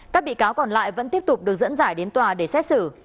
các bị cáo còn lại vẫn tiếp tục được dẫn giải đến tòa để xét xử